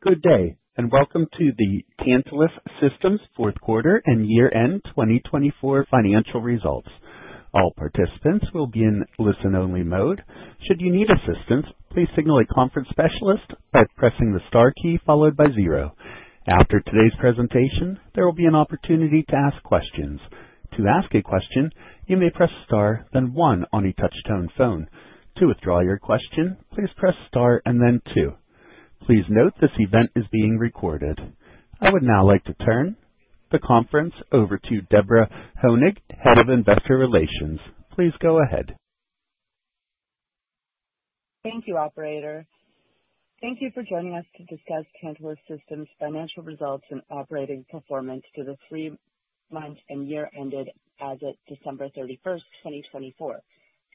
Good day, and welcome to the Tantalus Systems' fourth quarter and year-end 2024 financial results. All participants will be in listen-only mode. Should you need assistance, please signal a conference specialist by pressing the star key followed by zero. After today's presentation, there will be an opportunity to ask questions. To ask a question, you may press star, then one on a touch-tone phone. To withdraw your question, please press star and then two. Please note this event is being recorded. I would now like to turn the conference over to Deborah Honig, Head of Investor Relations. Please go ahead. Thank you, Operator. Thank you for joining us to discuss Tantalus Systems' financial results and operating performance to the three months and year-ended as of December 31st, 2024.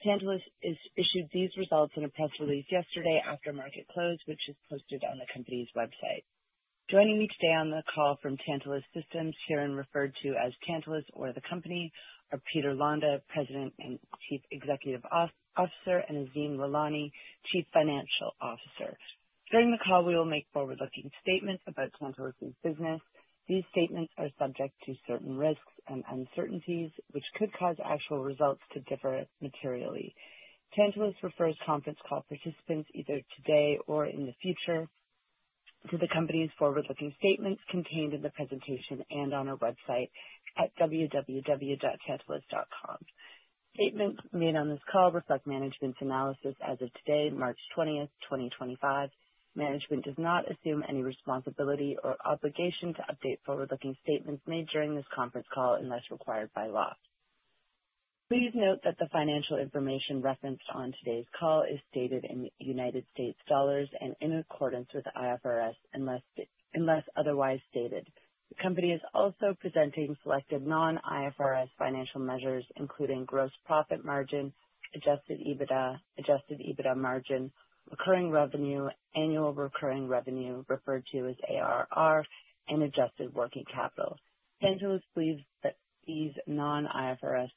Tantalus issued these results in a press release yesterday after market close, which is posted on the company's website. Joining me today on the call from Tantalus Systems, here and referred to as Tantalus or the Company, are Peter Londa, President and Chief Executive Officer, and Azim Lalani, Chief Financial Officer. During the call, we will make forward-looking statements about Tantalus's business. These statements are subject to certain risks and uncertainties, which could cause actual results to differ materially. Tantalus refers conference call participants, either today or in the future, to the company's forward-looking statements contained in the presentation and on our website at www.tantalus.com. Statements made on this call reflect management's analysis as of today, March 20th, 2025. Management does not assume any responsibility or obligation to update forward-looking statements made during this conference call unless required by law. Please note that the financial information referenced on today's call is stated in United States dollars and in accordance with IFRS, unless otherwise stated. The company is also presenting selected non-IFRS financial measures, including gross profit margin, adjusted EBITDA, adjusted EBITDA margin, recurring revenue, annual recurring revenue, referred to as ARR, and adjusted working capital. Tantalus believes that these non-IFRS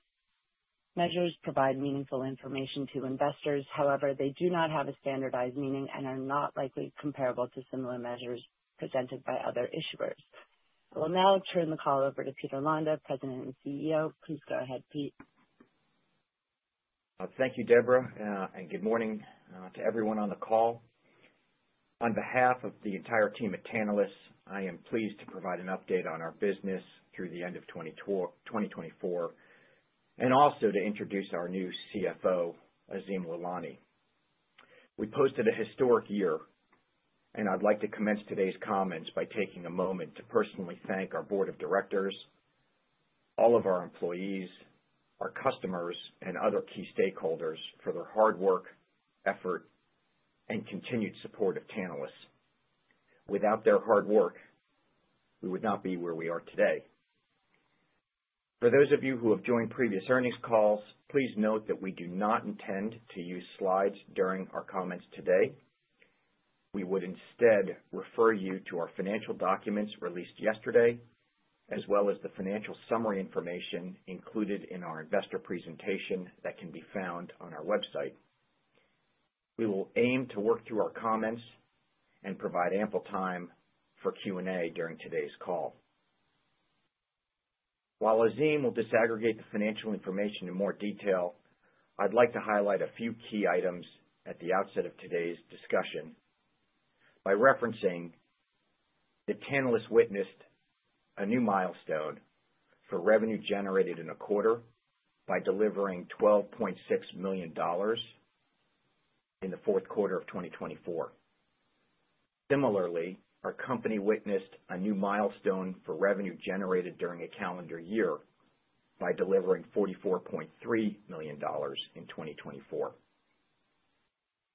measures provide meaningful information to investors; however, they do not have a standardized meaning and are not likely comparable to similar measures presented by other issuers. I will now turn the call over to Peter Londa, President and CEO. Please go ahead, Pete. Thank you, Deborah, and good morning to everyone on the call. On behalf of the entire team at Tantalus, I am pleased to provide an update on our business through the end of 2024 and also to introduce our new CFO, Azim Lalani. We posted a historic year, and I'd like to commence today's comments by taking a moment to personally thank our Board of Directors, all of our employees, our customers, and other key stakeholders for their hard work, effort, and continued support of Tantalus. Without their hard work, we would not be where we are today. For those of you who have joined previous earnings calls, please note that we do not intend to use slides during our comments today. We would instead refer you to our financial documents released yesterday, as well as the financial summary information included in our investor presentation that can be found on our website. We will aim to work through our comments and provide ample time for Q&A during today's call. While Azim will disaggregate the financial information in more detail, I'd like to highlight a few key items at the outset of today's discussion. By referencing that Tantalus witnessed a new milestone for revenue generated in a quarter by delivering $12.6 million in the fourth quarter of 2024. Similarly, our company witnessed a new milestone for revenue generated during a calendar year by delivering $44.3 million in 2024.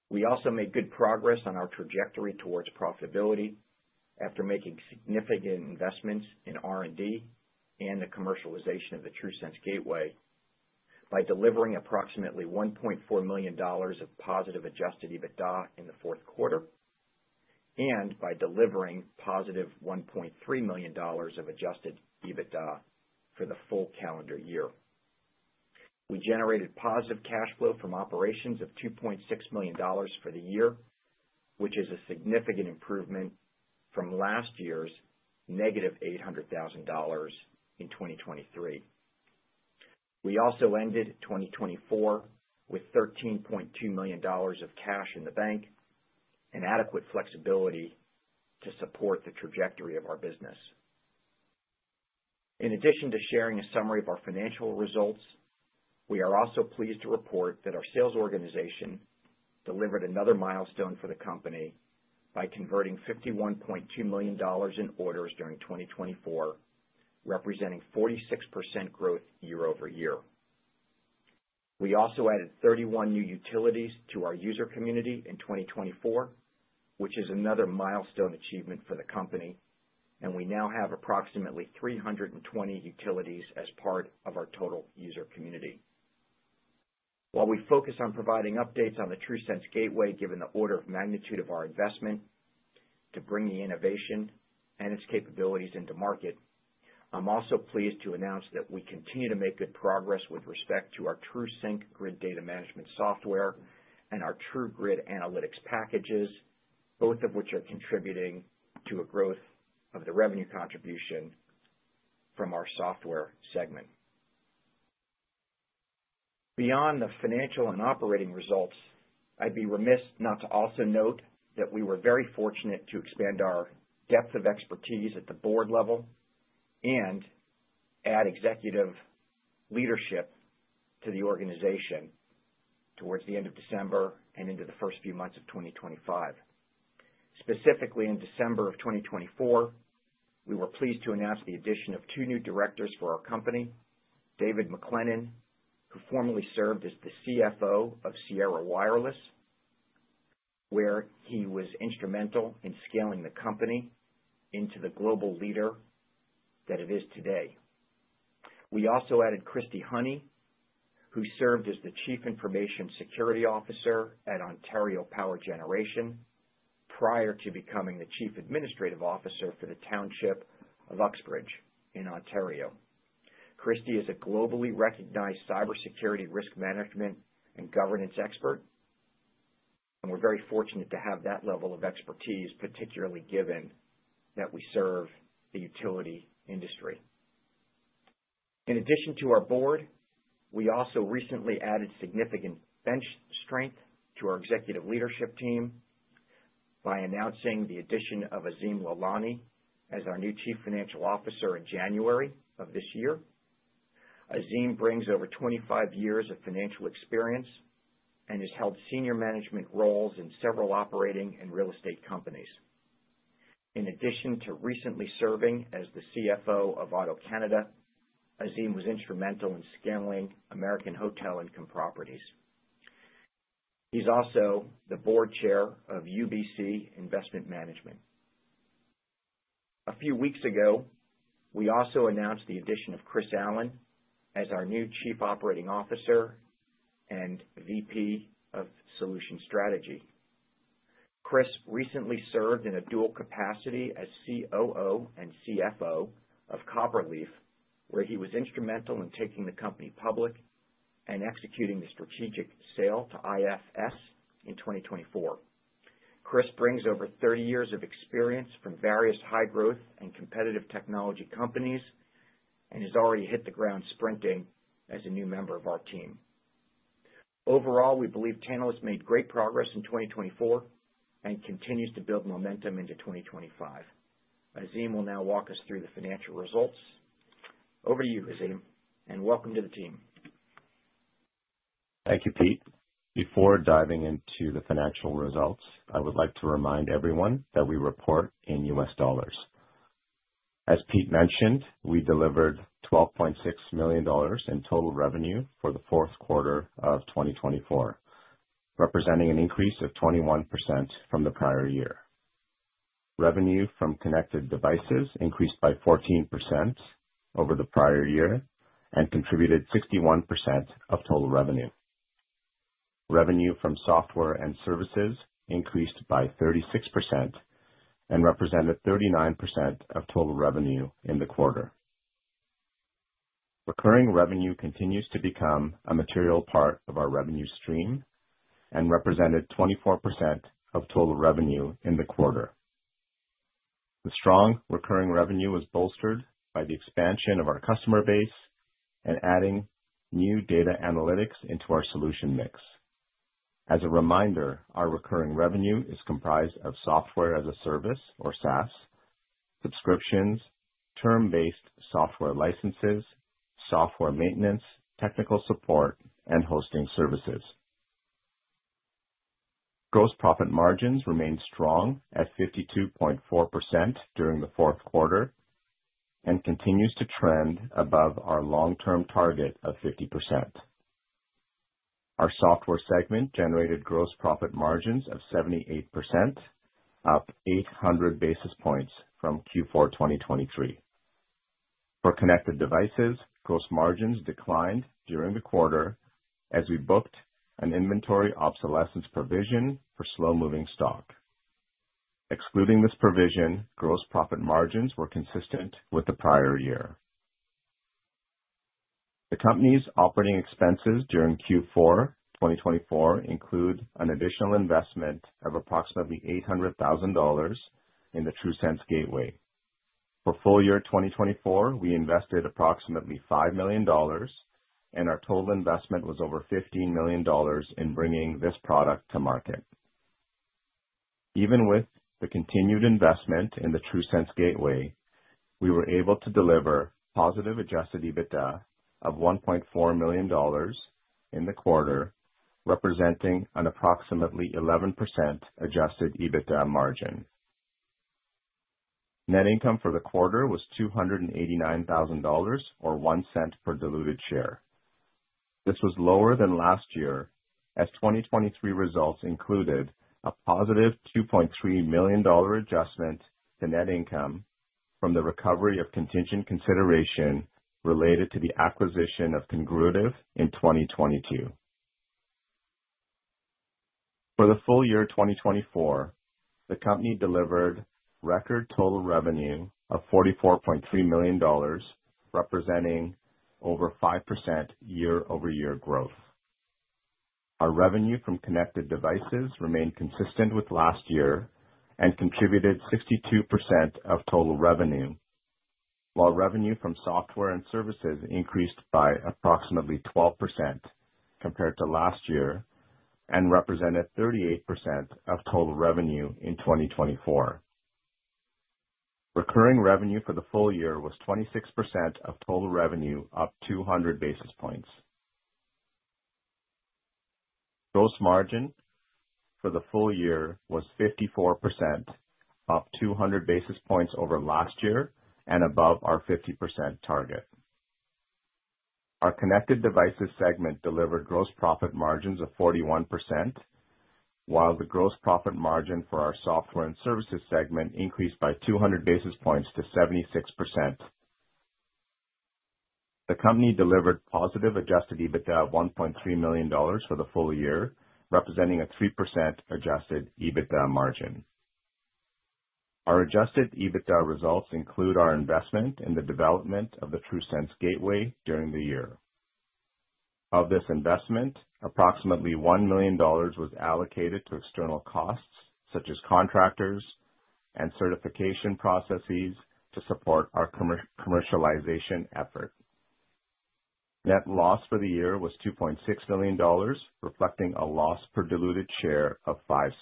We also made good progress on our trajectory towards profitability after making significant investments in R&D and the commercialization of the TRUSense Gateway by delivering approximately $1.4 million of positive adjusted EBITDA in the fourth quarter and by delivering $+1.3 million of adjusted EBITDA for the full calendar year. We generated positive cash flow from operations of $2.6 million for the year, which is a significant improvement from last year's $-800,000 in 2023. We also ended 2024 with $13.2 million of cash in the bank and adequate flexibility to support the trajectory of our business. In addition to sharing a summary of our financial results, we are also pleased to report that our sales organization delivered another milestone for the company by converting $51.2 million in orders during 2024, representing 46% growth year-over-year. We also added 31 new utilities to our user community in 2024, which is another milestone achievement for the company, and we now have approximately 320 utilities as part of our total user community. While we focus on providing updates on the TRUSense Gateway, given the order of magnitude of our investment to bring the innovation and its capabilities into market, I'm also pleased to announce that we continue to make good progress with respect to our TRUSync grid data management software and our TRUGrid analytics packages, both of which are contributing to a growth of the revenue contribution from our software segment. Beyond the financial and operating results, I'd be remiss not to also note that we were very fortunate to expand our depth of expertise at the board level and add executive leadership to the organization towards the end of December and into the first few months of 2025. Specifically, in December of 2024, we were pleased to announce the addition of two new directors for our company, David McLennan, who formerly served as the CFO of Sierra Wireless, where he was instrumental in scaling the company into the global leader that it is today. We also added Christy Hynie, who served as the Chief Information Security Officer at Ontario Power Generation prior to becoming the Chief Administrative Officer for the Township of Uxbridge in Ontario. Christy is a globally recognized cybersecurity risk management and governance expert, and we're very fortunate to have that level of expertise, particularly given that we serve the utility industry. In addition to our board, we also recently added significant bench strength to our executive leadership team by announcing the addition of Azim Lalani as our new Chief Financial Officer in January of this year. Azim brings over 25 years of financial experience and has held senior management roles in several operating and real estate companies. In addition to recently serving as the CFO of AutoCanada, Azim was instrumental in scaling American Hotel Income Properties. He's also the board chair of UBC Investment Management. A few weeks ago, we also announced the addition of Chris Allen as our new Chief Operating Officer and VP of Solution Strategy. Chris recently served in a dual capacity as COO and CFO of Copperleaf, where he was instrumental in taking the company public and executing the strategic sale to IFS in 2024. Chris brings over 30 years of experience from various high-growth and competitive technology companies and has already hit the ground sprinting as a new member of our team. Overall, we believe Tantalus made great progress in 2024 and continues to build momentum into 2025. Azim will now walk us through the financial results. Over to you, Azim, and welcome to the team. Thank you, Pete. Before diving into the financial results, I would like to remind everyone that we report in U.S. dollars. As Pete mentioned, we delivered $12.6 million in total revenue for the fourth quarter of 2024, representing an increase of 21% from the prior year. Revenue from connected devices increased by 14% over the prior year and contributed 61% of total revenue. Revenue from software and services increased by 36% and represented 39% of total revenue in the quarter. Recurring revenue continues to become a material part of our revenue stream and represented 24% of total revenue in the quarter. The strong recurring revenue was bolstered by the expansion of our customer base and adding new data analytics into our solution mix. As a reminder, our recurring revenue is comprised of software as a service or SaaS, subscriptions, term-based software licenses, software maintenance, technical support, and hosting services. Gross profit margins remained strong at 52.4% during the fourth quarter and continue to trend above our long-term target of 50%. Our software segment generated gross profit margins of 78%, up 800 basis points from Q4 2023. For connected devices, gross margins declined during the quarter as we booked an inventory obsolescence provision for slow-moving stock. Excluding this provision, gross profit margins were consistent with the prior year. The company's operating expenses during Q4 2024 include an additional investment of approximately $800,000 in the TRUSense Gateway. For full year 2024, we invested approximately $5 million, and our total investment was over $15 million in bringing this product to market. Even with the continued investment in the TRUSense Gateway, we were able to deliver positive adjusted EBITDA of $1.4 million in the quarter, representing an approximately 11% adjusted EBITDA margin. Net income for the quarter was $289,000 or $0.01 per diluted share. This was lower than last year, as 2023 results included a $+2.3 million adjustment to net income from the recovery of contingent consideration related to the acquisition of Congruitive in 2022. For the full year 2024, the company delivered record total revenue of $44.3 million, representing over 5% year-over-year growth. Our revenue from connected devices remained consistent with last year and contributed 62% of total revenue, while revenue from software and services increased by approximately 12% compared to last year and represented 38% of total revenue in 2024. Recurring revenue for the full year was 26% of total revenue, up 200 basis points. Gross margin for the full year was 54%, up 200 basis points over last year and above our 50% target. Our connected devices segment delivered gross profit margins of 41%, while the gross profit margin for our software and services segment increased by 200 basis points to 76%. The company delivered positive adjusted EBITDA of $1.3 million for the full year, representing a 3% adjusted EBITDA margin. Our adjusted EBITDA results include our investment in the development of the TRUSense Gateway during the year. Of this investment, approximately $1 million was allocated to external costs such as contractors and certification processes to support our commercialization effort. Net loss for the year was $2.6 million, reflecting a loss per diluted share of $0.05.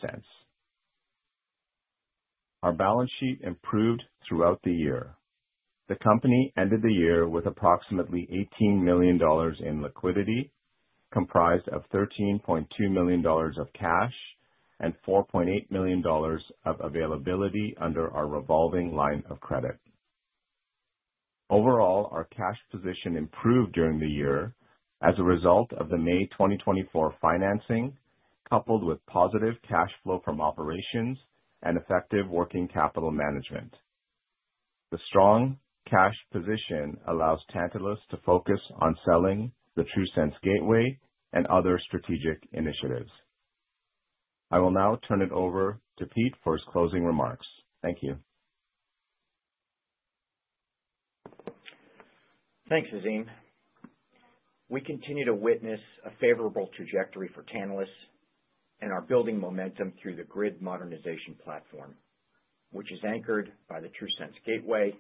Our balance sheet improved throughout the year. The company ended the year with approximately $18 million in liquidity, comprised of $13.2 million of cash and $4.8 million of availability under our revolving line of credit. Overall, our cash position improved during the year as a result of the May 2024 financing, coupled with positive cash flow from operations and effective working capital management. The strong cash position allows Tantalus to focus on selling the TRUSense Gateway and other strategic initiatives. I will now turn it over to Pete for his closing remarks. Thank you. Thanks, Azim. We continue to witness a favorable trajectory for Tantalus and are building momentum through the grid modernization platform, which is anchored by the TRUSense Gateway,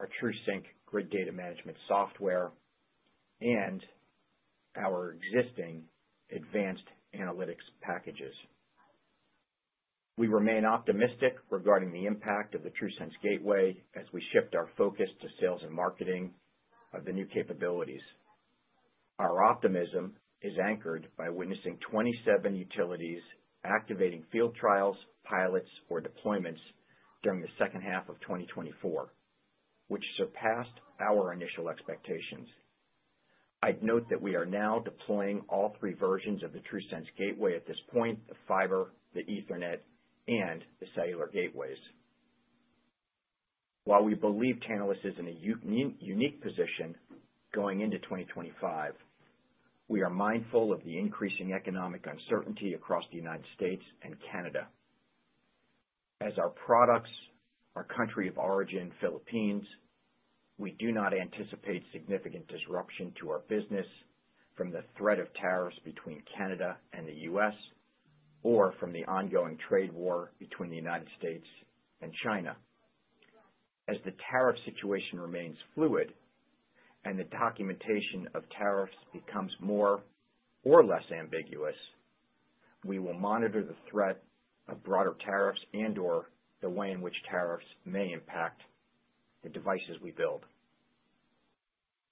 our TRUSync grid data management software, and our existing advanced analytics packages. We remain optimistic regarding the impact of the TRUSense Gateway as we shift our focus to sales and marketing of the new capabilities. Our optimism is anchored by witnessing 27 utilities activating field trials, pilots, or deployments during the second half of 2024, which surpassed our initial expectations. I'd note that we are now deploying all three versions of the TRUSense Gateway at this point: the fiber, the Ethernet, and the cellular gateways. While we believe Tantalus is in a unique position going into 2025, we are mindful of the increasing economic uncertainty across the United States and Canada. As our products, our country of origin, Philippines, we do not anticipate significant disruption to our business from the threat of tariffs between Canada and the U.S. or from the ongoing trade war between the United States and China. As the tariff situation remains fluid and the documentation of tariffs becomes more or less ambiguous, we will monitor the threat of broader tariffs and/or the way in which tariffs may impact the devices we build.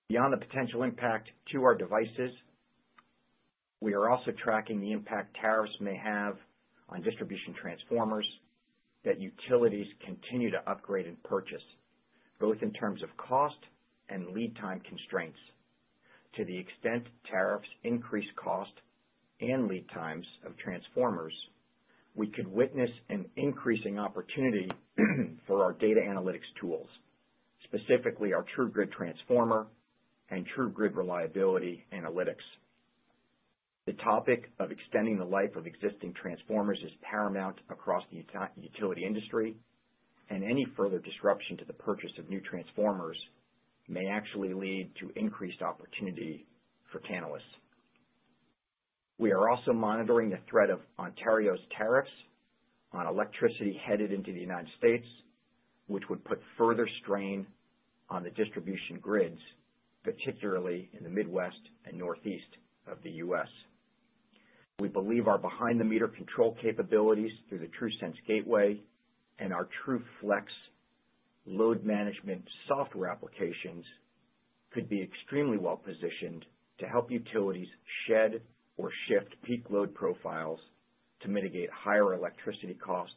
Beyond the potential impact to our devices, we are also tracking the impact tariffs may have on distribution transformers that utilities continue to upgrade and purchase, both in terms of cost and lead time constraints. To the extent tariffs increase cost and lead times of transformers, we could witness an increasing opportunity for our data analytics tools, specifically our TRUGrid Transformer and TRUGrid Reliability analytics. The topic of extending the life of existing transformers is paramount across the utility industry, and any further disruption to the purchase of new transformers may actually lead to increased opportunity for Tantalus. We are also monitoring the threat of Ontario's tariffs on electricity headed into the United States, which would put further strain on the distribution grids, particularly in the Midwest and Northeast of the U.S. We believe our behind-the-meter control capabilities through the TRUSense Gateway and our TRUFlex load management software applications could be extremely well-positioned to help utilities shed or shift peak load profiles to mitigate higher electricity costs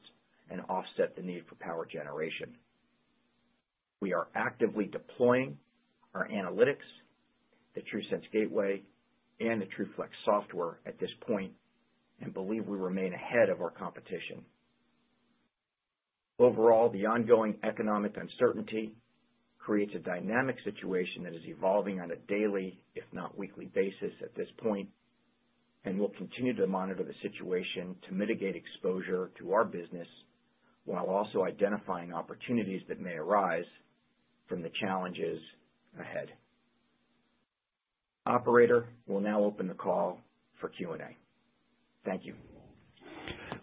and offset the need for power generation. We are actively deploying our analytics, the TRUSense Gateway, and the TRUFlex software at this point and believe we remain ahead of our competition. Overall, the ongoing economic uncertainty creates a dynamic situation that is evolving on a daily, if not weekly, basis at this point, and we'll continue to monitor the situation to mitigate exposure to our business while also identifying opportunities that may arise from the challenges ahead. Operator will now open the call for Q&A. Thank you.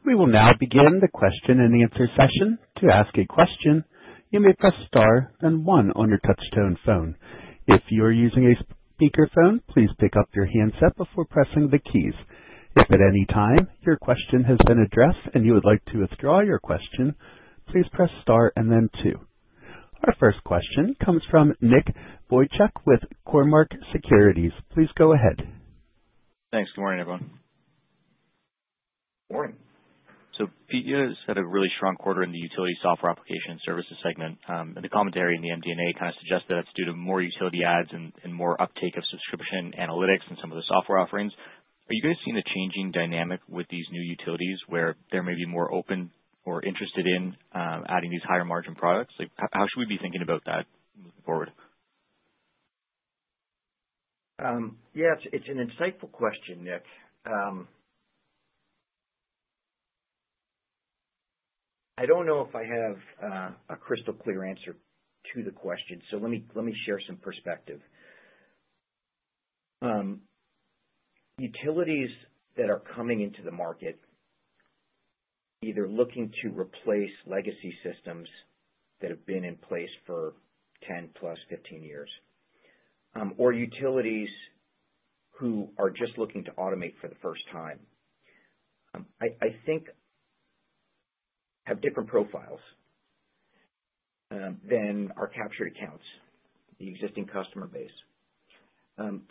We will now begin the question and answer session. To ask a question, you may press star and one on your touch-tone phone. If you are using a speakerphone, please pick up your handset before pressing the keys. If at any time your question has been addressed and you would like to withdraw your question, please press star and then two. Our first question comes from Nick Wojcik with Cormark Securities. Please go ahead. Thanks. Good morning, everyone. Morning. Pete, you guys had a really strong quarter in the utility software application services segment. The commentary in the MD&A kind of suggested that's due to more utility adds and more uptake of subscription analytics and some of the software offerings. Are you guys seeing a changing dynamic with these new utilities where there may be more open or interested in adding these higher-margin products? How should we be thinking about that moving forward? Yeah, it's an insightful question, Nick. I don't know if I have a crystal-clear answer to the question, so let me share some perspective. Utilities that are coming into the market, either looking to replace legacy systems that have been in place for 10+years 15 years, or utilities who are just looking to automate for the first time, I think have different profiles than our captured accounts, the existing customer base.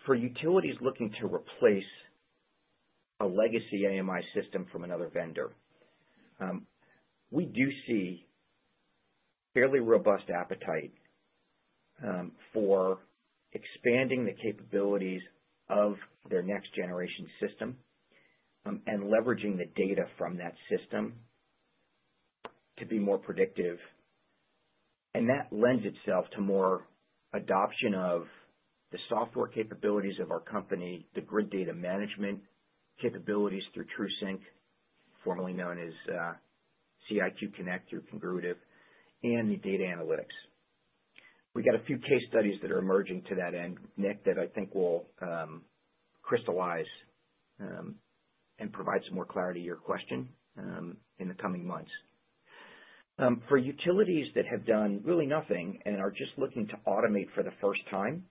For utilities looking to replace a legacy AMI system from another vendor, we do see fairly robust appetite for expanding the capabilities of their next-generation system and leveraging the data from that system to be more predictive. That lends itself to more adoption of the software capabilities of our company, the grid data management capabilities through TRUSync, formerly known as C.IQ Connect through Congruitive, and the data analytics. We've got a few case studies that are emerging to that end, Nick, that I think will crystallize and provide some more clarity to your question in the coming months. For utilities that have done really nothing and are just looking to automate for the first time,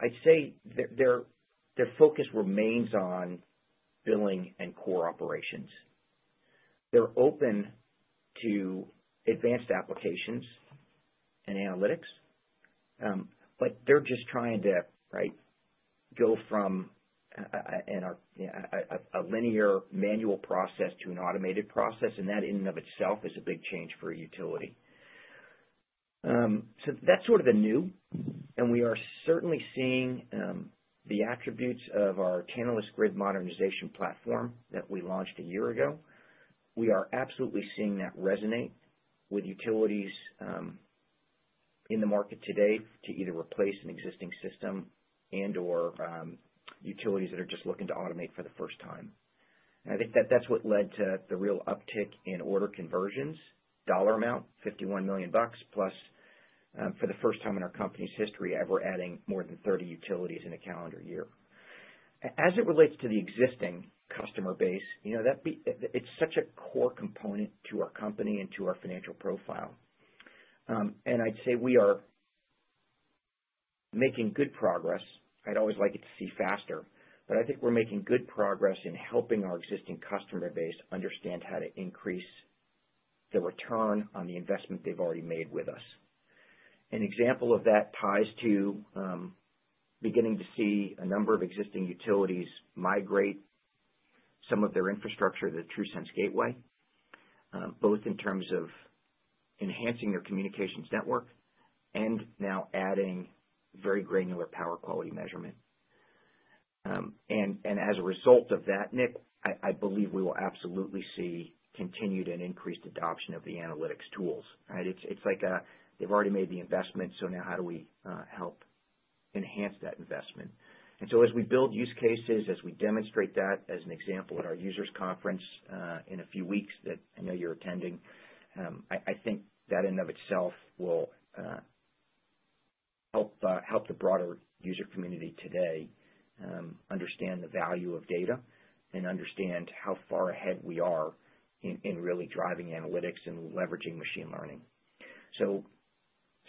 I'd say their focus remains on billing and core operations. They're open to advanced applications and analytics, but they're just trying to go from a linear manual process to an automated process, and that in and of itself is a big change for a utility. That's sort of the new, and we are certainly seeing the attributes of our Tantalus Grid Modernization Platform that we launched a year ago. We are absolutely seeing that resonate with utilities in the market today to either replace an existing system and/or utilities that are just looking to automate for the first time. I think that that's what led to the real uptick in order conversions, dollar amount, $51 million, plus for the first time in our company's history, ever adding more than 30 utilities in a calendar year. As it relates to the existing customer base, it's such a core component to our company and to our financial profile. I'd say we are making good progress. I'd always like it to see faster, but I think we're making good progress in helping our existing customer base understand how to increase the return on the investment they've already made with us. An example of that ties to beginning to see a number of existing utilities migrate some of their infrastructure to the TRUSense Gateway, both in terms of enhancing their communications network and now adding very granular power quality measurement. As a result of that, Nick, I believe we will absolutely see continued and increased adoption of the analytics tools. It's like they've already made the investment, so now how do we help enhance that investment? As we build use cases, as we demonstrate that, as an example at our users' conference in a few weeks that I know you're attending, I think that in and of itself will help the broader user community today understand the value of data and understand how far ahead we are in really driving analytics and leveraging machine learning.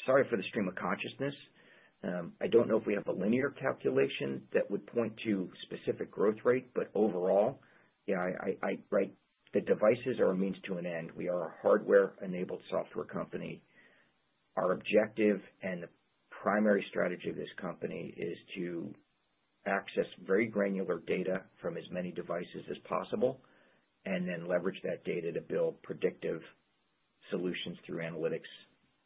Sorry for the stream of consciousness. I don't know if we have a linear calculation that would point to specific growth rate, but overall, the devices are a means to an end. We are a hardware-enabled software company. Our objective and the primary strategy of this company is to access very granular data from as many devices as possible and then leverage that data to build predictive solutions through analytics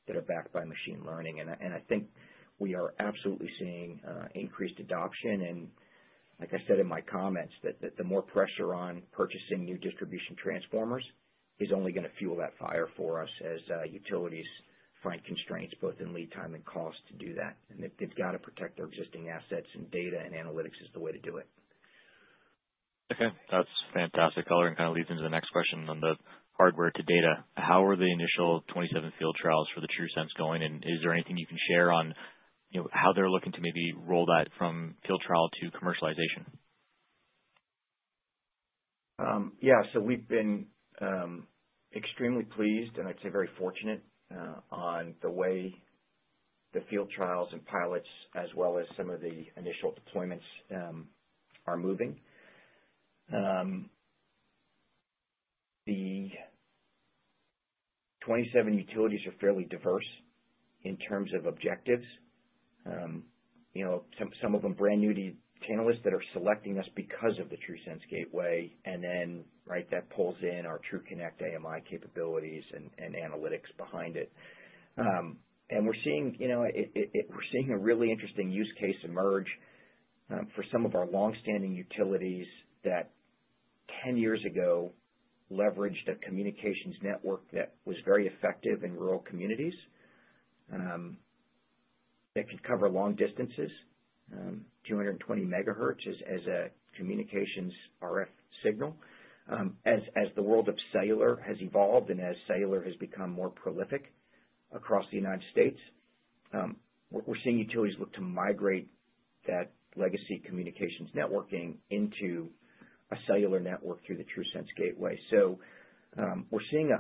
that are backed by machine learning. I think we are absolutely seeing increased adoption. Like I said in my comments, the more pressure on purchasing new distribution transformers is only going to fuel that fire for us as utilities find constraints both in lead time and cost to do that. They have to protect their existing assets and data and analytics is the way to do it. Okay. That's fantastic. Coloring kind of leads into the next question on the hardware to data. How are the initial 27 field trials for the TRUSense going? Is there anything you can share on how they're looking to maybe roll that from field trial to commercialization? Yeah. We have been extremely pleased, and I'd say very fortunate on the way the field trials and pilots, as well as some of the initial deployments, are moving. The 27 utilities are fairly diverse in terms of objectives. Some of them brand new to Tantalus that are selecting us because of the TRUSense Gateway, and then that pulls in our TRUConnect AMI capabilities and analytics behind it. We are seeing a really interesting use case emerge for some of our longstanding utilities that 10 years ago leveraged a communications network that was very effective in rural communities that could cover long distances, 220 MHz as a communications RF signal. As the world of cellular has evolved and as cellular has become more prolific across the United States, we are seeing utilities look to migrate that legacy communications networking into a cellular network through the TRUSense Gateway. We're seeing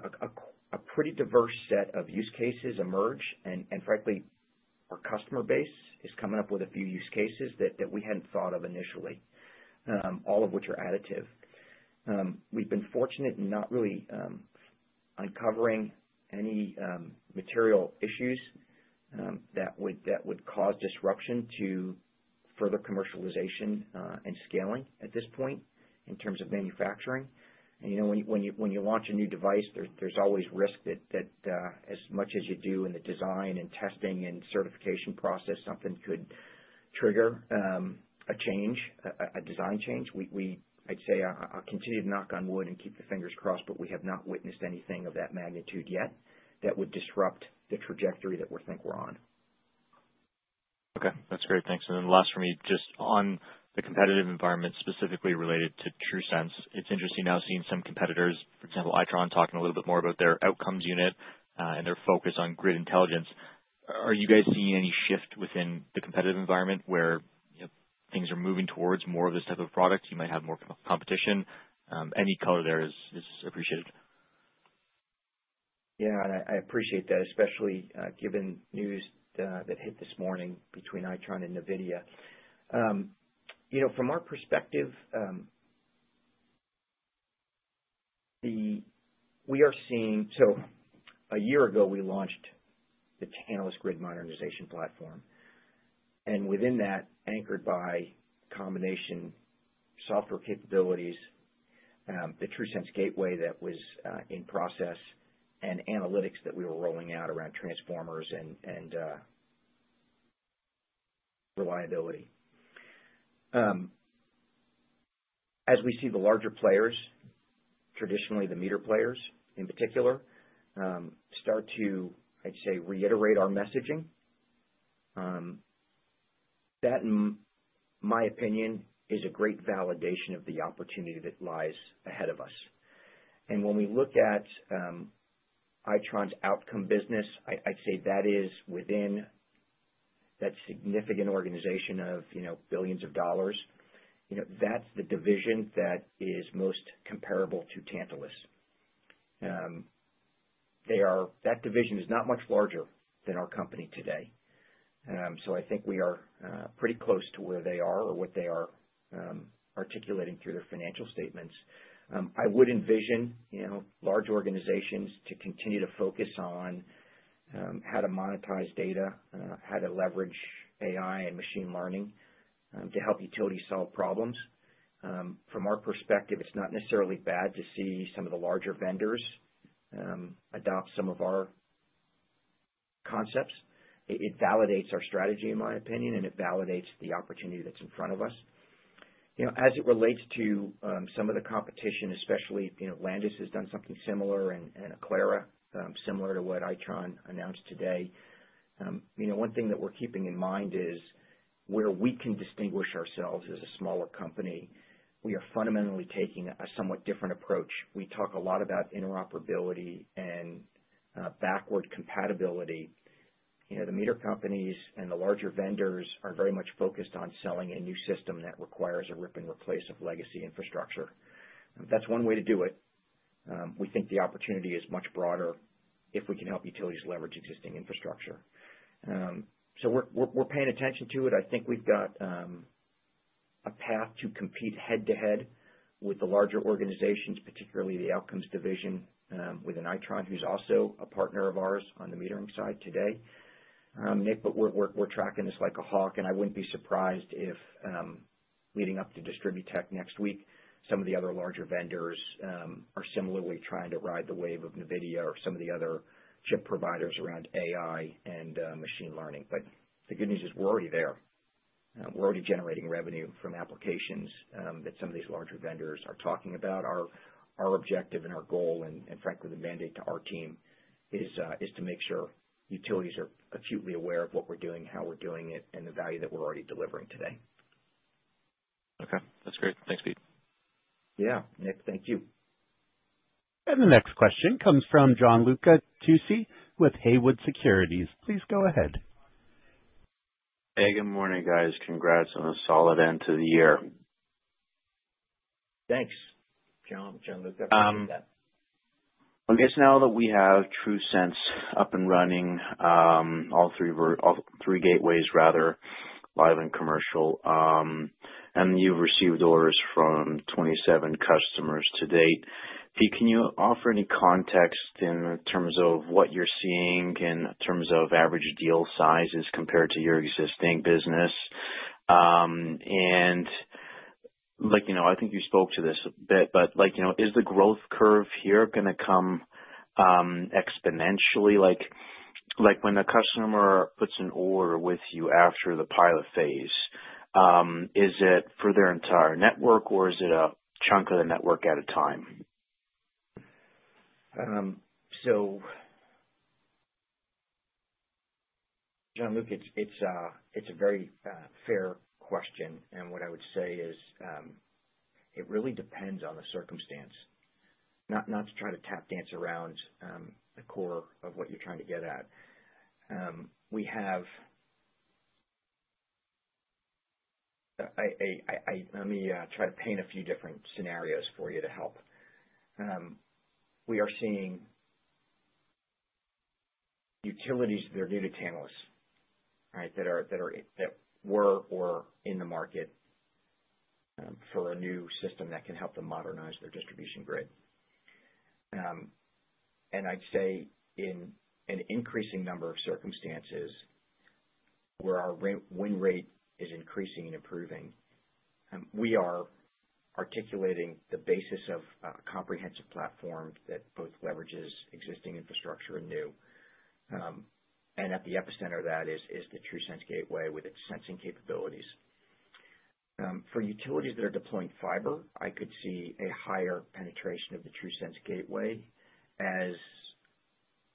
a pretty diverse set of use cases emerge. Frankly, our customer base is coming up with a few use cases that we hadn't thought of initially, all of which are additive. We've been fortunate in not really uncovering any material issues that would cause disruption to further commercialization and scaling at this point in terms of manufacturing. When you launch a new device, there's always risk that as much as you do in the design and testing and certification process, something could trigger a change, a design change. I'd say I'll continue to knock on wood and keep the fingers crossed, but we have not witnessed anything of that magnitude yet that would disrupt the trajectory that we think we're on. Okay. That's great. Thanks. Last for me, just on the competitive environment specifically related to TRUSense, it's interesting now seeing some competitors, for example, Itron talking a little bit more about their Outcomes unit and their focus on grid intelligence. Are you guys seeing any shift within the competitive environment where things are moving towards more of this type of product? You might have more competition. Any color there is appreciated. Yeah. I appreciate that, especially given news that hit this morning between Itron and NVIDIA. From our perspective, we are seeing, so a year ago, we launched the Tantalus Grid Modernization Platform. And within that, anchored by a combination of software capabilities, the TRUSense Gateway that was in process, and analytics that we were rolling out around transformers and reliability. As we see the larger players, traditionally the meter players in particular, start to, I'd say, reiterate our messaging, that, in my opinion, is a great validation of the opportunity that lies ahead of us. When we look at Itron's Outcome business, I'd say that is within that significant organization of billions of dollars. That's the division that is most comparable to Tantalus. That division is not much larger than our company today. I think we are pretty close to where they are or what they are articulating through their financial statements. I would envision large organizations to continue to focus on how to monetize data, how to leverage AI and machine learning to help utilities solve problems. From our perspective, it's not necessarily bad to see some of the larger vendors adopt some of our concepts. It validates our strategy, in my opinion, and it validates the opportunity that's in front of us. As it relates to some of the competition, especially Landis+Gyr has done something similar and Aclara, similar to what Itron announced today. One thing that we're keeping in mind is where we can distinguish ourselves as a smaller company, we are fundamentally taking a somewhat different approach. We talk a lot about interoperability and backward compatibility. The meter companies and the larger vendors are very much focused on selling a new system that requires a rip and replace of legacy infrastructure. That's one way to do it. We think the opportunity is much broader if we can help utilities leverage existing infrastructure. We're paying attention to it. I think we've got a path to compete head-to-head with the larger organizations, particularly the Outcomes division within Itron, who's also a partner of ours on the metering side today. Nick, we're tracking this like a hawk. I wouldn't be surprised if leading up to DistribuTech next week, some of the other larger vendors are similarly trying to ride the wave of NVIDIA or some of the other chip providers around AI and machine learning. The good news is we're already there. We're already generating revenue from applications that some of these larger vendors are talking about. Our objective and our goal, and frankly, the mandate to our team, is to make sure utilities are acutely aware of what we're doing, how we're doing it, and the value that we're already delivering today. Okay. That's great. Thanks, Pete. Yeah. Nick, thank you. The next question comes from Gianluca Tucci with Haywood Securities. Please go ahead. Hey, good morning, guys. Congrats on a solid end to the year. Thanks, Gian.Gianluca, appreciate that. I guess now that we have TRUSense up and running, all three gateways, rather, live and commercial, and you've received orders from 27 customers to date, Pete, can you offer any context in terms of what you're seeing in terms of average deal sizes compared to your existing business? I think you spoke to this a bit, but is the growth curve here going to come exponentially? When a customer puts an order with you after the pilot phase, is it for their entire network, or is it a chunk of the network at a time? Gianluca, it's a very fair question. What I would say is it really depends on the circumstance, not to try to tap dance around the core of what you're trying to get at. Let me try to paint a few different scenarios for you to help. We are seeing utilities that are new to Tantalus that were or in the market for a new system that can help them modernize their distribution grid. I'd say in an increasing number of circumstances where our win rate is increasing and improving, we are articulating the basis of a comprehensive platform that both leverages existing infrastructure and new. At the epicenter of that is the TRUSense Gateway with its sensing capabilities. For utilities that are deploying fiber, I could see a higher penetration of the TRUSense Gateway as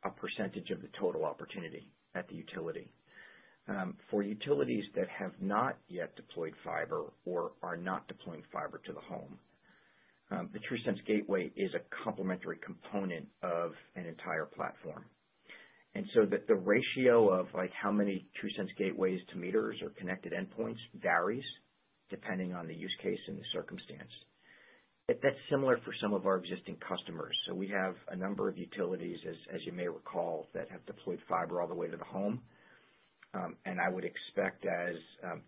a percentage of the total opportunity at the utility. For utilities that have not yet deployed fiber or are not deploying fiber to the home, the TRUSense Gateway is a complementary component of an entire platform. The ratio of how many TRUSense Gateways to meters or connected endpoints varies depending on the use case and the circumstance. That is similar for some of our existing customers. We have a number of utilities, as you may recall, that have deployed fiber all the way to the home. I would expect as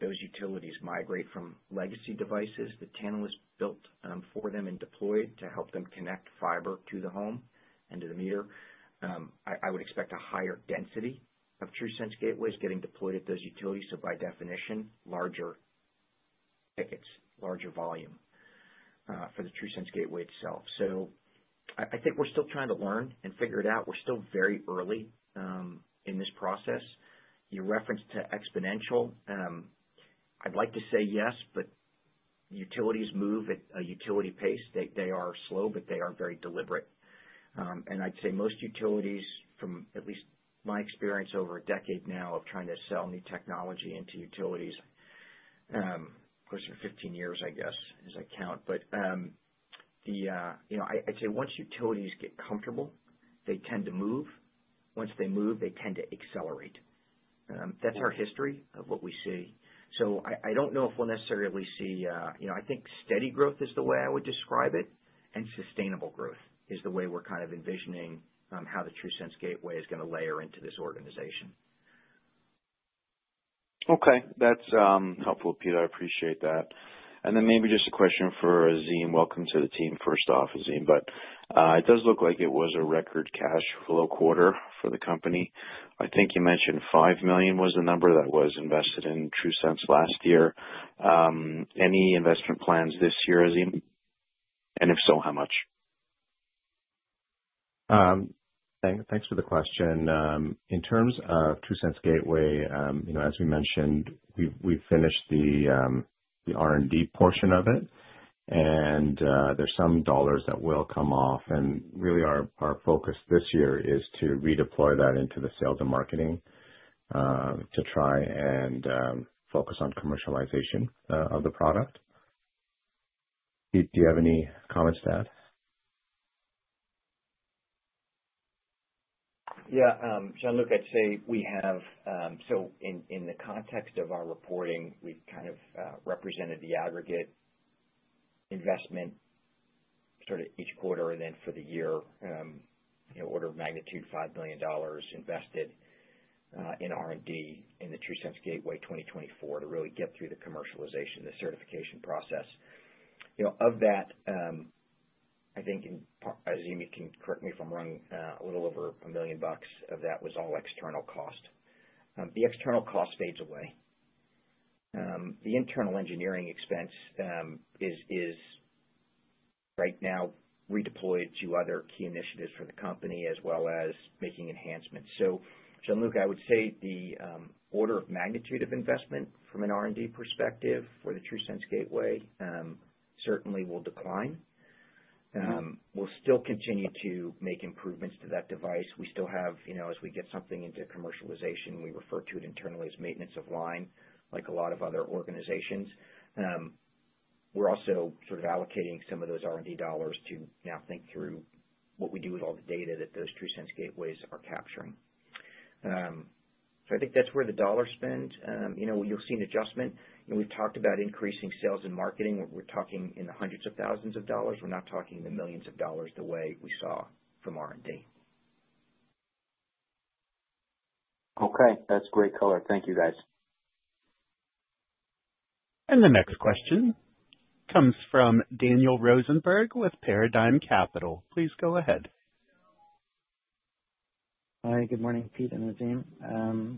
those utilities migrate from legacy devices that Tantalus built for them and deployed to help them connect fiber to the home and to the meter, I would expect a higher density of TRUSense Gateways getting deployed at those utilities. By definition, larger tickets, larger volume for the TRUSense Gateway itself. I think we are still trying to learn and figure it out. We're still very early in this process. Your reference to exponential, I'd like to say yes, but utilities move at a utility pace. They are slow, but they are very deliberate. I'd say most utilities, from at least my experience over a decade now of trying to sell new technology into utilities, of course, for 15 years, I guess, as I count. I'd say once utilities get comfortable, they tend to move. Once they move, they tend to accelerate. That's our history of what we see. I don't know if we'll necessarily see, I think steady growth is the way I would describe it, and sustainable growth is the way we're kind of envisioning how the TRUSense Gateway is going to layer into this organization. Okay. That's helpful, Pete. I appreciate that. Maybe just a question for Azim. Welcome to the team, first off, Azim. It does look like it was a record cash flow quarter for the company. I think you mentioned $5 million was the number that was invested in TRUSense last year. Any investment plans this year, Azim? If so, how much? Thanks for the question. In terms of TRUSense Gateway, as we mentioned, we've finished the R&D portion of it. There are some dollars that will come off. Really, our focus this year is to redeploy that into the sales and marketing to try and focus on commercialization of the product. Pete, do you have any comments to add? Yeah. Gianluca, I'd say we have so in the context of our reporting, we've kind of represented the aggregate investment sort of each quarter and then for the year, order of magnitude, $5 million invested in R&D in the TRUSense Gateway 2024 to really get through the commercialization, the certification process. Of that, I think, and Azim, you can correct me if I'm wrong, a little over $1 million bucks of that was all external cost. The external cost fades away. The internal engineering expense is right now redeployed to other key initiatives for the company as well as making enhancements. John Luca, I would say the order of magnitude of investment from an R&D perspective for the TRUSense Gateway certainly will decline. We'll still continue to make improvements to that device. We still have, as we get something into commercialization, we refer to it internally as maintenance of line, like a lot of other organizations. We're also sort of allocating some of those R&D dollars to now think through what we do with all the data that those TRUSense Gateways are capturing. I think that's where the dollar spend, you'll see an adjustment. We've talked about increasing sales and marketing. We're talking in the hundreds of thousands of dollars. We're not talking the millions of dollars the way we saw from R&D. Okay. That's great color. Thank you, guys. The next question comes from Daniel Rosenberg with Paradigm Capital. Please go ahead. Hi. Good morning, Pete and Azim.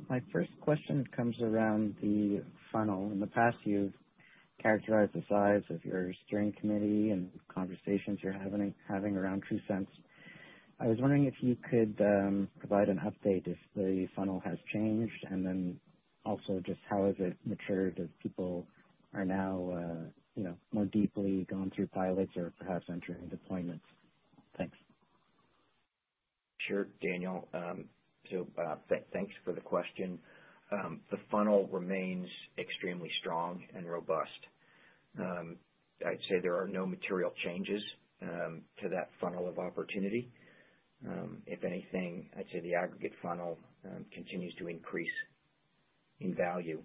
My first question comes around the funnel. In the past, you've characterized the size of your steering committee and conversations you're having around TRUSense. I was wondering if you could provide an update if the funnel has changed, and then also just how has it matured as people are now more deeply gone through pilots or perhaps entering deployments. Thanks. Sure, Daniel. Thanks for the question. The funnel remains extremely strong and robust. I'd say there are no material changes to that funnel of opportunity. If anything, I'd say the aggregate funnel continues to increase in value.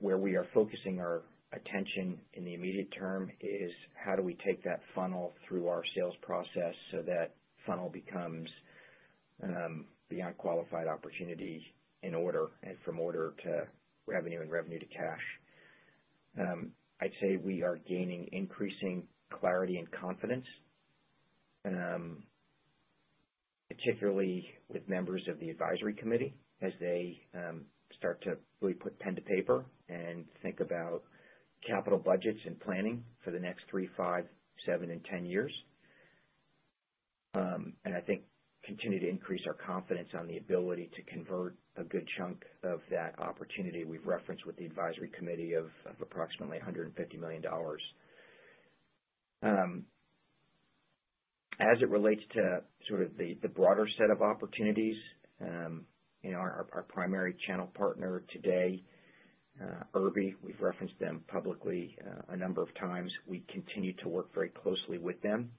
Where we are focusing our attention in the immediate term is how do we take that funnel through our sales process so that funnel becomes beyond qualified opportunity in order and from order to revenue and revenue to cash. I'd say we are gaining increasing clarity and confidence, particularly with members of the advisory committee as they start to really put pen to paper and think about capital budgets and planning for the next three, five, seven, and ten years. I think continue to increase our confidence on the ability to convert a good chunk of that opportunity we've referenced with the advisory committee of approximately $150 million. As it relates to sort of the broader set of opportunities, our primary channel partner today, Irby, we've referenced them publicly a number of times. We continue to work very closely with them.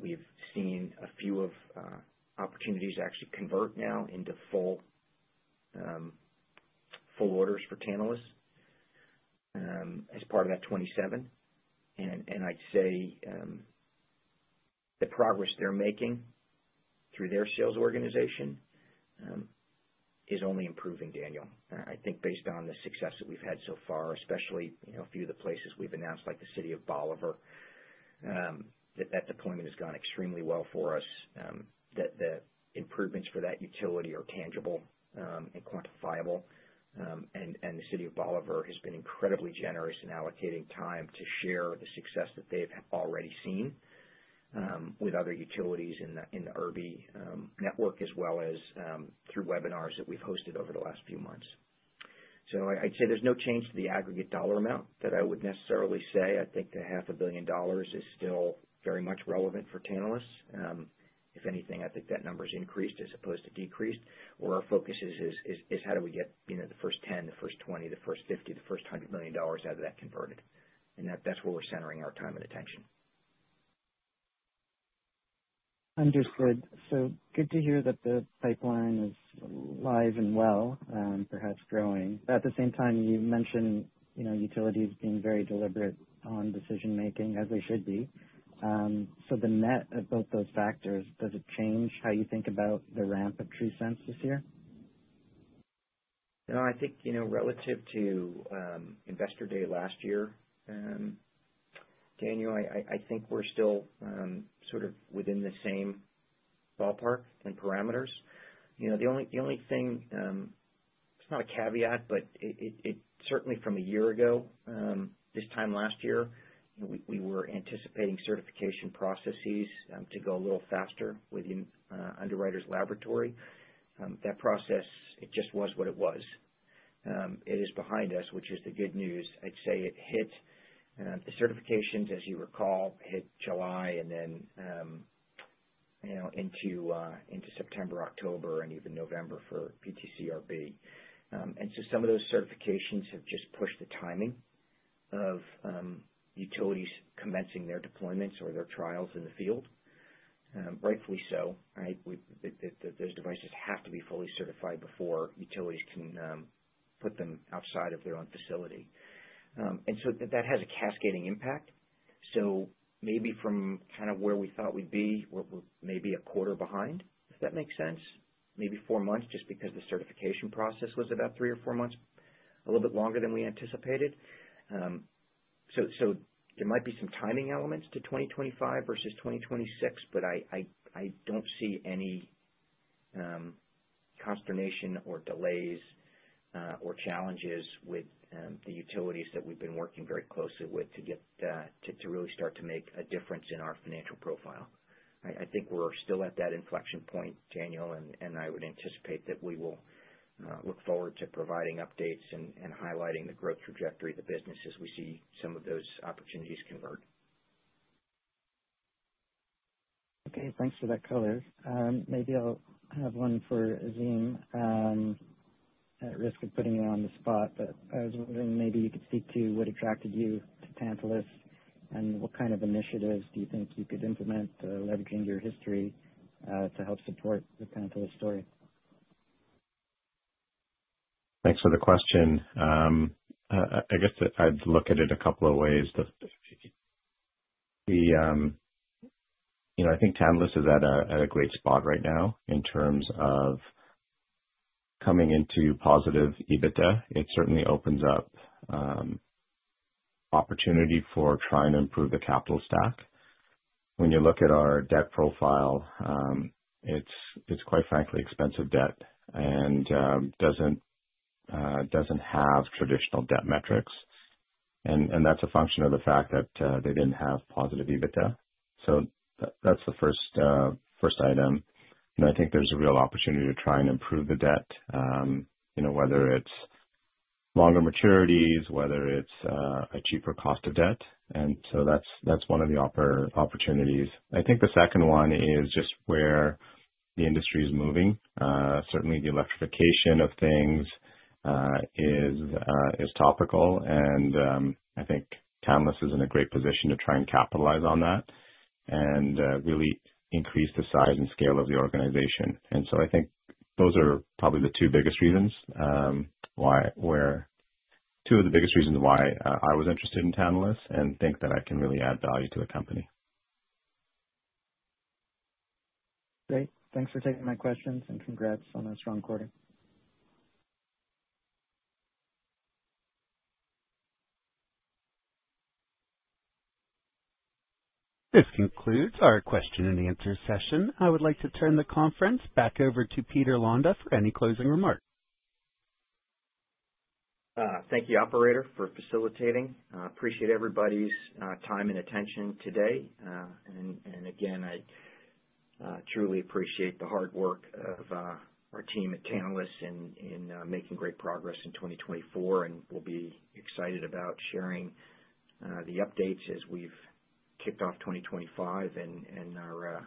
We've seen a few of opportunities actually convert now into full orders for Tantalus as part of that 27. I’d say the progress they're making through their sales organization is only improving, Daniel. I think based on the success that we've had so far, especially a few of the places we've announced, like the City of Bolivar, that deployment has gone extremely well for us, that the improvements for that utility are tangible and quantifiable. The City of Bolivar has been incredibly generous in allocating time to share the success that they've already seen with other utilities in the Irby network, as well as through webinars that we've hosted over the last few months. I'd say there's no change to the aggregate dollar amount that I would necessarily say. I think the $500,000,000 is still very much relevant for Tantalus. If anything, I think that number has increased as opposed to decreased. Where our focus is, is how do we get the first $10, the first $20, the first $50, the first $100,000,000 out of that converted? That's where we're centering our time and attention. Understood. Good to hear that the pipeline is live and well, perhaps growing. At the same time, you mentioned utilities being very deliberate on decision-making, as they should be. The net of both those factors, does it change how you think about the ramp of TRUSense this year? I think relative to investor day last year, Daniel, I think we're still sort of within the same ballpark and parameters. The only thing, it's not a caveat, but certainly from a year ago, this time last year, we were anticipating certification processes to go a little faster with Underwriters Laboratories. That process, it just was what it was. It is behind us, which is the good news. I'd say it hit the certifications, as you recall, hit July and then into September, October, and even November for PTCRB. Some of those certifications have just pushed the timing of utilities commencing their deployments or their trials in the field. Rightfully so. Those devices have to be fully certified before utilities can put them outside of their own facility. That has a cascading impact. Maybe from kind of where we thought we'd be, we're maybe a quarter behind, if that makes sense. Maybe four months, just because the certification process was about three or four months, a little bit longer than we anticipated. There might be some timing elements to 2025 versus 2026, but I don't see any consternation or delays or challenges with the utilities that we've been working very closely with to really start to make a difference in our financial profile. I think we're still at that inflection point, Daniel, and I would anticipate that we will look forward to providing updates and highlighting the growth trajectory of the business as we see some of those opportunities convert. Okay. Thanks for that color. Maybe I'll have one for Azim at risk of putting you on the spot, but I was wondering maybe you could speak to what attracted you to Tantalus and what kind of initiatives do you think you could implement, leveraging your history to help support the Tantalus story? Thanks for the question. I guess I'd look at it a couple of ways. I think Tantalus is at a great spot right now in terms of coming into positive EBITDA. It certainly opens up opportunity for trying to improve the capital stack. When you look at our debt profile, it's quite frankly expensive debt and doesn't have traditional debt metrics. That's a function of the fact that they didn't have positive EBITDA. That's the first item. I think there's a real opportunity to try and improve the debt, whether it's longer maturities, whether it's a cheaper cost of debt. That's one of the opportunities. I think the second one is just where the industry is moving. Certainly, the electrification of things is topical, and I think Tantalus is in a great position to try and capitalize on that and really increase the size and scale of the organization. I think those are probably the two biggest reasons why, or two of the biggest reasons why, I was interested in Tantalus and think that I can really add value to the company. Great. Thanks for taking my questions and congrats on a strong quarter. This concludes our question and answer session. I would like to turn the conference back over to Peter Londa for any closing remarks. Thank you, operator, for facilitating. Appreciate everybody's time and attention today. I truly appreciate the hard work of our team at Tantalus in making great progress in 2024. We will be excited about sharing the updates as we've kicked off 2025 and are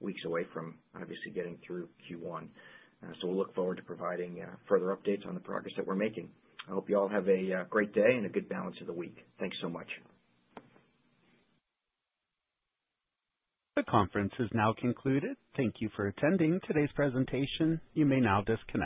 weeks away from obviously getting through Q1. We look forward to providing further updates on the progress that we're making. I hope you all have a great day and a good balance of the week. Thanks so much. The conference has now concluded. Thank you for attending today's presentation. You may now disconnect.